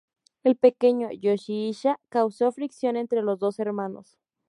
El pequeño, Yoshihisa, causó fricción entre los dos hermanos.